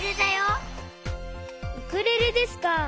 ウクレレですか。